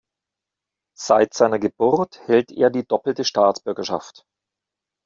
Seit seiner Geburt hält er die doppelte Staatsbürgerschaft.